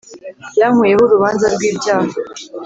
Yankuyeho urubanza rwibyaha